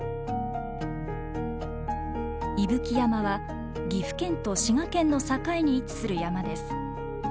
伊吹山は岐阜県と滋賀県の境に位置する山です。